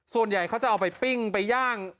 ส่วนใหญ่เขาจะเอาไปปิ้งไปย่าง